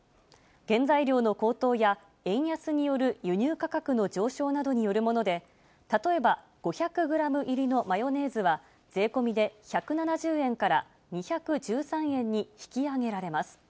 原材料の高騰や円安による輸入価格の上昇などによるもので、例えば５００グラム入りのマヨネーズは税込みで１７０円から２１３円に引き上げられます。